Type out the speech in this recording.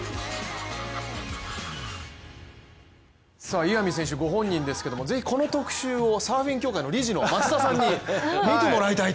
岩見選手、ご本人ですけどぜひこの特集をサーフィン協会の理事の松田さんに見てもらいたいと。